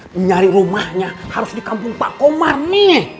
mencari rumahnya harus di kampung pak komar mi